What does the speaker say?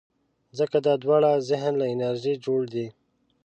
ځکه دا دواړه د ذهن له انرژۍ جوړ دي.